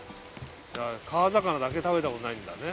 じゃあ川魚だけ食べたことないんだね。